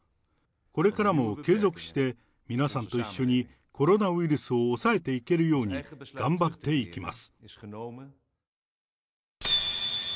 これからも継続して皆さんと一緒にコロナウイルスを抑えていけるように、頑張っていきます。